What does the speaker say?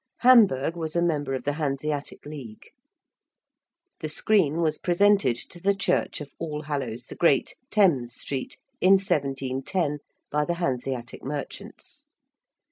~Hamburg~ was a member of the Hanseatic League. ~The screen~ was presented to the Church of All Hallows the Great, Thames Street, in 1710, by the Hanseatic merchants.